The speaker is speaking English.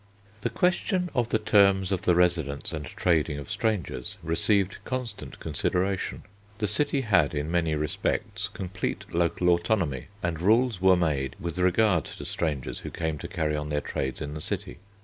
The question of the terms of the residence and trading of strangers received constant consideration. The city had, in many respects, complete local autonomy and rules were made with regard to strangers who came to carry on their trades in the city.